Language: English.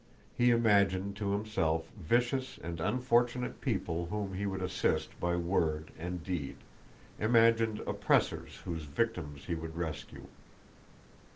He imagined to himself vicious and unfortunate people whom he would assist by word and deed, imagined oppressors whose victims he would rescue.